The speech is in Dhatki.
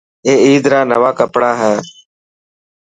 اي عيد را نوان ڪپڙا هي.